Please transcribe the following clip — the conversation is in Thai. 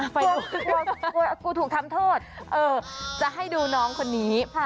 กลัวกลัวกลัวกลัวถูกทำโทษเออจะให้ดูน้องคนนี้ฮะ